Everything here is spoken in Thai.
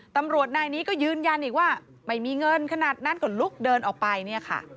ตำรวจนายนี้ก็ยืนยันอีกว่าไม่มีเงินขนาดนั้นก็ลุกเดินออกไปเนี่ยค่ะ